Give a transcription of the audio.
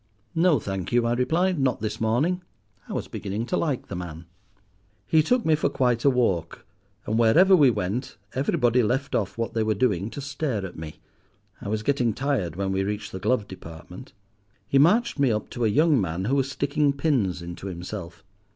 "'No, thank you,' I replied, 'not this morning.' I was beginning to like the man. "He took me for quite a walk, and wherever we went everybody left off what they were doing to stare at me. I was getting tired when we reached the glove department. He marched me up to a young man who was sticking pins into himself.